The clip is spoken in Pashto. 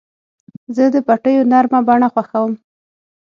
زه د پټیو نرمه بڼه خوښوم.